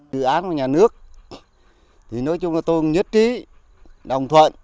dự án của nhà nước thì nói chung là tôi cũng nhất trí đồng thuận